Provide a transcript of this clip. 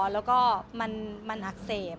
แล้วก็มันอักเสบ